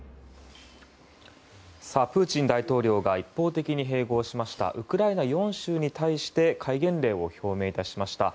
プーチン大統領が一方的に併合しましたウクライナ４州に対して戒厳令を表明いたしました。